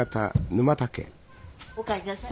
お帰んなさい。